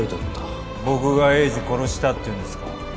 僕が栄治殺したっていうんですか？